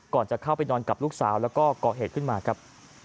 ก่อนจะเข้าไปนอนกับลูกสาวแล้วก็ก่อเหตุขึ้นมาครับ